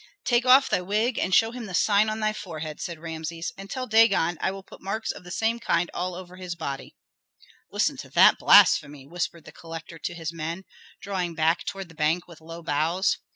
"Take off thy wig and show him the sign on thy forehead," said Rameses. "And tell Dagon that I will put marks of the same kind all over his body." "Listen to that blasphemy!" whispered the collector to his men, drawing back toward the bank with low bows.